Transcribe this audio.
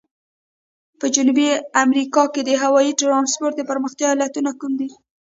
په جنوبي امریکا کې د هوایي ترانسپورت د پرمختیا علتونه کوم دي؟